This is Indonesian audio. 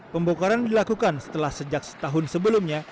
pembongkaran dilakukan setelah sejak setahun sebelumnya